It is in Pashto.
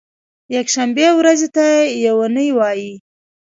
یکشنبې ورځې ته یو نۍ وایی